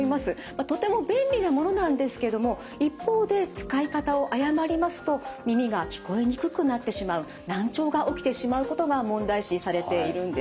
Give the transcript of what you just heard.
まあとても便利なものなんですけども一方で使い方を誤りますと耳が聞こえにくくなってしまう難聴が起きてしまうことが問題視されているんです。